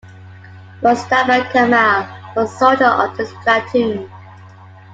Mostafa Kamal was a soldier of this platoon.